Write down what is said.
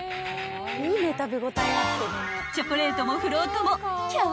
［チョコレートもフロートもきゃ